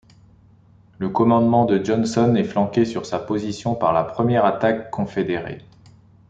Le commandement de Johnson est flanqué sur sa position par la première attaque confédérée.